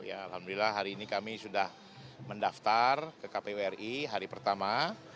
alhamdulillah hari ini kami sudah mendaftar ke kpu ri hari pertama